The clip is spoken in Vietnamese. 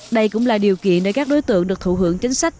đây cũng là điều kiện để các đối tượng được thụ hưởng chính sách